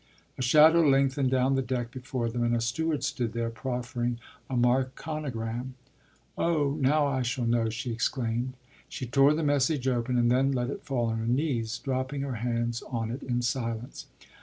A shadow lengthened down the deck before them, and a steward stood there, proffering a Marconigram. “Oh, now I shall know!” she exclaimed. She tore the message open, and then let it fall on her knees, dropping her hands on it in silence.